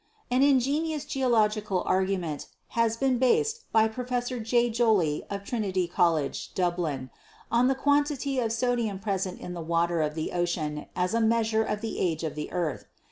An ingenious geological argument has been based by Prof. J. Joly, of Trinity College, Dublin, on the quantity of sodium present in the water of the ocean as a measure of the age of the earth.